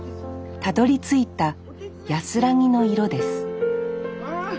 たどりついた安らぎの色です